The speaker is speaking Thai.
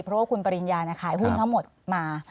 เพราะว่าคุณปริญญาขายหุ้นทั้งหมดมา